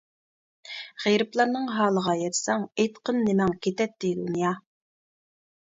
غېرىبلارنىڭ ھالىغا يەتسەڭ، ئېيتقىن نېمەڭ كېتەتتى دۇنيا.